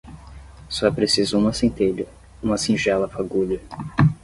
Só é preciso uma centelha, uma singela fagulha